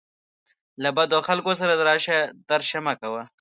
له بدو خلکو سره راشه درشه مه کوه